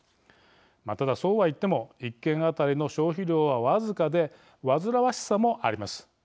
ただそうは言っても１軒当たりの消費量は僅かで煩わしさもあります。